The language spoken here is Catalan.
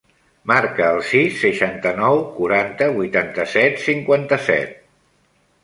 Marca el sis, seixanta-nou, quaranta, vuitanta-set, cinquanta-set.